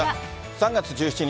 ３月１７日